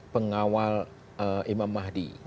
pengawal imam mahdi